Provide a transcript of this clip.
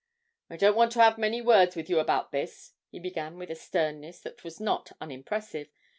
'I don't want to 'ave many words with you about this,' he began with a sternness that was not unimpressive.